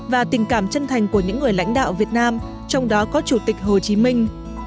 và tình cảm chân thành của những người lãnh đạo việt nam trong đó có chủ tịch hồ chí minh